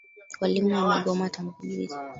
Walimu wamegoma tangu juzi.